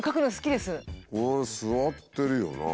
俺座ってるよなあ。